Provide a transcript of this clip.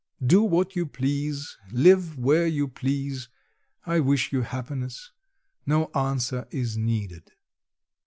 Do what you please; live where you please. I wish you happiness. No answer is needed."